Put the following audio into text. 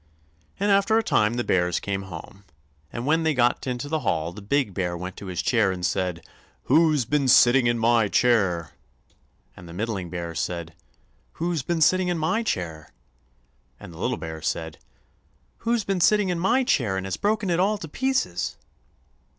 And after a time the bears came home, and when they got into the hall the big bear went to his chair and said: "WHO'S BEEN SITTING IN MY CHAIR?" and the middling bear said: "WHO'S BEEN SITTING IN MY CHAIR?" and the little bear said: "_Who's been sitting in my chair and has broken it all to pieces?